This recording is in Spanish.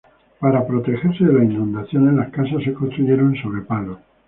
Para protegerse de las inundaciones, las casas se construyeron sobre palos.